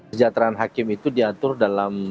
kesejahteraan hakim itu diatur dalam